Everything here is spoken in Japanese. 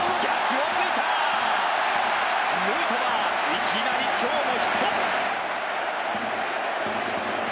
いきなり今日もヒット！